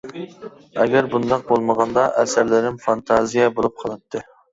ئەگەر بۇنداق بولمىغاندا ئەسەرلىرىم فانتازىيە بولۇپ قالاتتى.